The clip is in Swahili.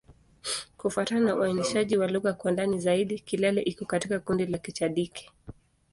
Kufuatana na uainishaji wa lugha kwa ndani zaidi, Kilele iko katika kundi la Kichadiki.